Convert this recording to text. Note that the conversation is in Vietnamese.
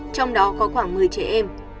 trong đó có khoảng một mươi trẻ em